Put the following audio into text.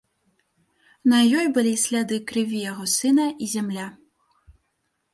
На ёй былі сляды крыві яго сына і зямля.